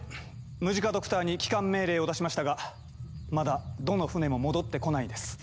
ムジカ・ドクターに帰還命令を出しましたがまだどの船も戻ってこないです。